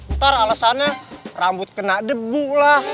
ntar alasannya rambut kena debu lah